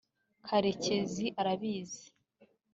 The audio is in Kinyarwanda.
karekezi arabizi